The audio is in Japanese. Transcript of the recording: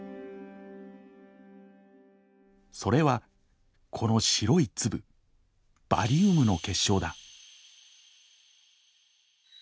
それはこの白い粒バリウムの結晶だ。